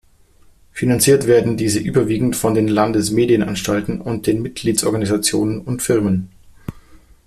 Finanziert werden diese überwiegend von den Landesmedienanstalten und den Mitgliedsorganisationen und -firmen.